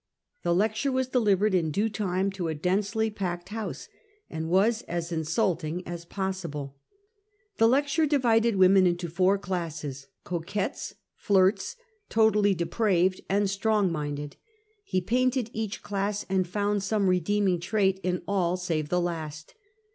The lecture was delivered in due time to a densely packed house, and was as insulting as pos sible. The lecture divided women into four classes — coquettes, flirts, totally depraved, and strong minded. He painied each class and found some redeeming trait in all save tlie last.